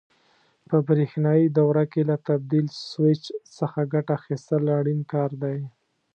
په برېښنایي دوره کې له تبدیل سویچ څخه ګټه اخیستل اړین کار دی.